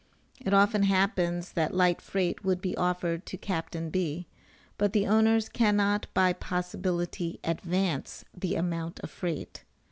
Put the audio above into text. It often happens that light freight would be offered to Captain B., but the owners cannot by possibility advance the amount of freight.